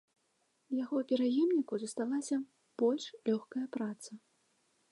Яго пераемніку засталася больш лёгкая праца.